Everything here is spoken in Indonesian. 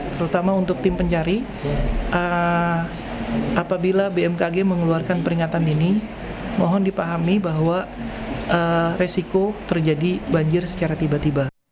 terutama untuk tim pencari apabila bmkg mengeluarkan peringatan ini mohon dipahami bahwa resiko terjadi banjir secara tiba tiba